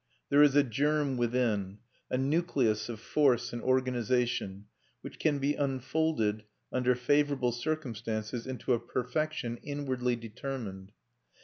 There is a germ within, a nucleus of force and organisation, which can be unfolded, under favourable circumstances, into a perfection inwardly determined.